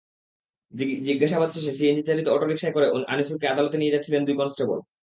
জিজ্ঞাসাবাদ শেষে সিএনজিচালিত অটোরিকশায় করে আনিছুরকে আদালতে নিয়ে যাচ্ছিলেন দুই কনস্টেবল।